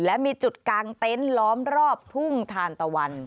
และมีจุดกางเต็นต์ล้อมรอบทุ่งทานตะวัน